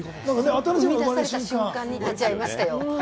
生み出された瞬間になっちゃいましたよ。